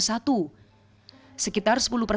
sekitar sepuluh lainnya adalah tipe dua